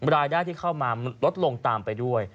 รายได้ที่เข้ามาลดลงตามไปด้วย